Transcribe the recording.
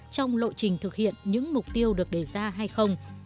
trong lộ trình thực hiện những mục tiêu được đề ra hay không